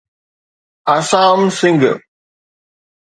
Assam Singh